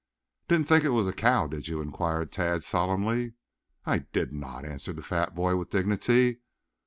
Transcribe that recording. "Didn't think it was a cow, did you?" inquired Tad solemnly. "I did not," answered the fat boy with dignity.